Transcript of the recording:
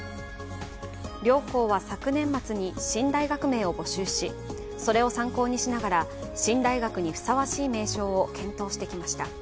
両校は昨年末に新大学名を募集しそれを参考にしながら新大学にふさわしい名称を検討してきました。